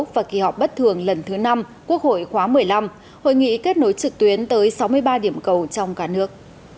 và kỳ họp bất thường lần thứ năm quốc hội khóa một mươi năm hội nghị kết nối trực tuyến tới sáu mươi ba điểm cầu trong cả nước